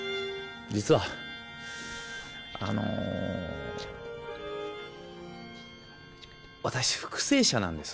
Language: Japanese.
実はあの私復生者なんです。